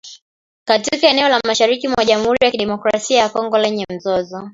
Katika eneo la mashariki mwa Jamuhuri ya kidemokrasia ya kongo lenye mzozo